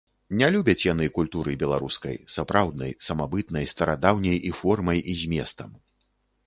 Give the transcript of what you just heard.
Не любяць яны культуры беларускай, сапраўднай, самабытнай, старадаўняй і формай і зместам.